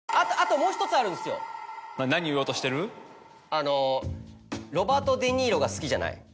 あのロバート・デ・ニーロが好きじゃない？